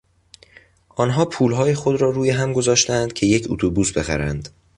آنها پولهای خود را رویهم گذاشتهاند که یک اتوبوس بخرند.